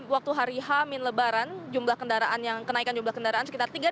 waktu hari hamin lebaran jumlah kendaraan yang kenaikan jumlah kendaraan sekitar tiga ratus